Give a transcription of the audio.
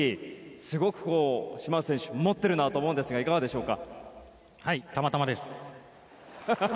すごく島内選手持ってるなと思うんですがいかがでしょうか。